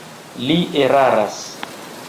Li eraras.